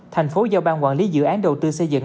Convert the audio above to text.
thành phố do bang quản lý dự án đầu tư xây dựng